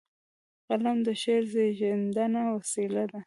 قلم د شعر زیږنده وسیله ده.